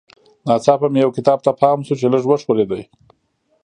ناڅاپه مې یو کتاب ته پام شو چې لږ وښورېد